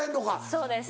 そうです。